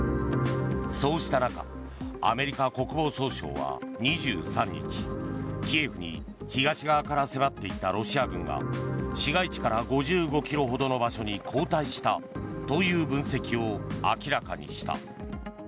そうした中、アメリカ国防総省は２３日キエフに東側から迫っていたロシア軍が市街地から５５ｋｍほどの場所に後退したという分析を明らかにした。